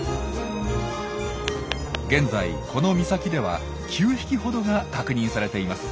現在この岬では９匹ほどが確認されています。